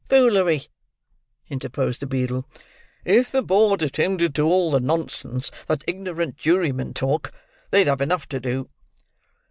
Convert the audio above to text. Foolery!" interposed the beadle. "If the board attended to all the nonsense that ignorant jurymen talk, they'd have enough to do."